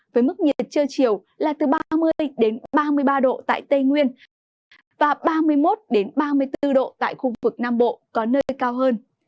với mức nhiệt trưa chiều là từ ba mươi ba mươi ba độ tại tây nguyên và ba mươi một ba mươi bốn độ tại khu vực nam bộ có nơi cao hơn